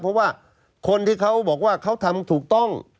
เพราะว่าคนที่เขาบอกว่าเขาทำถูกต้อง